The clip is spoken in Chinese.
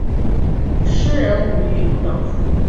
诗人吴玉如长子。